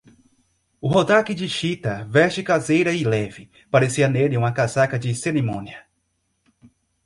O rodaque de chita, veste caseira e leve, parecia nele uma casaca de cerimônia.